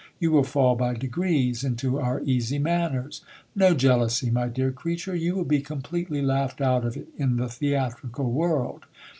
You will fall by degrees into our easy manners. No jeal ousy, my dear creature, you will be completely laughed out of it in the theatri cal world.